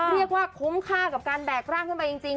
เรียกว่าคุ้มค่ากับการแบกร่างขึ้นไปจริง